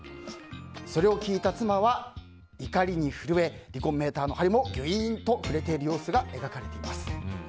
それを聞いた妻は怒りに震え離婚メーターの針もギュイーンと振れている様子が描かれています。